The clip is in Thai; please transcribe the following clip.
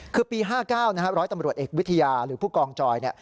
คือปี๕๙นะครับร้อยตำรวจเอกวิทยาหรือผู้กองจอย